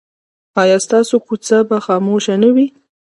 ایا ستاسو کوڅه به خاموشه نه وي؟